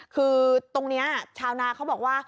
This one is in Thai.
คือตรงนี้ชาวนาเขาบอกว่า